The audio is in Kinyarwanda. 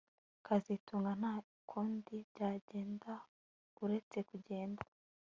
kazitunga nta kundi byagenda uretse kugenda